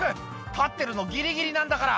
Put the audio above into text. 立ってるのギリギリなんだから」